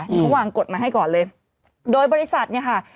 เขาวางกฎมาให้ก่อนเลยโดยบริษัทเนี่ยค่ะ